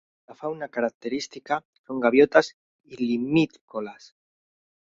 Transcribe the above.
La fauna característica son gaviotas y limícolas.